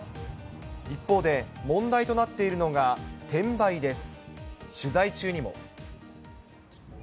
一方で、問題となっているのが、転売です。